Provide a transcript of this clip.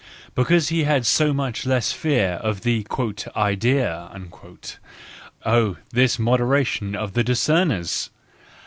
because he had so much less fear of the "idea"—Oh, this moderation of the dis cerners!